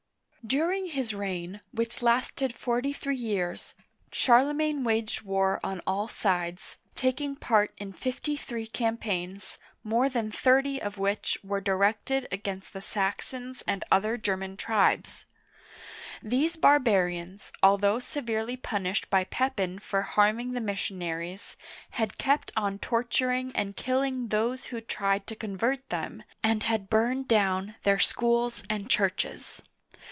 During his reign, — which lasted forty three years, — Charlemagne waged war on all sides, taking part in fifty three campaigns, more than thirty of which were directed against the Saxons and other German tribes. These bar Digitized by Google CHARLEMAGNE (768 814) 69 barians, although severely punished by Pepin for harming the missionaries, had kept on torturing and killing those who tried to convert them, and had burned down their schools and churches.